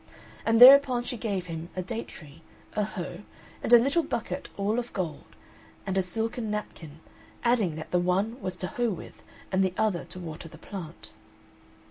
And thereupon she gave him a date tree, a hoe, and a little bucket all of gold, and a silken napkin, adding that the one was to hoe with and the other to water the plant.